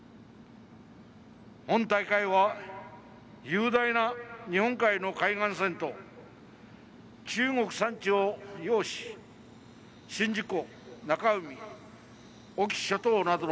本大会は雄大な日本海の海岸線と中国山地を擁し宍道湖・中海隠岐諸島などの